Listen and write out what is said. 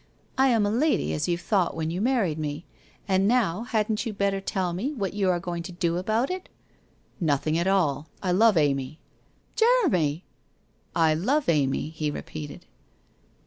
' 1 am a lady, as you thought when you married me. And now hadn't you better tell me what you are going to do about it? ' 'Nothing at all. I love Amy!' ' Jeremy !'' I love Amy !' he repeated.